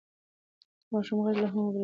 د ماشوم غږ لا هم اورېدل کېږي.